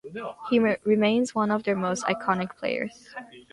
He remains one of their most iconic players.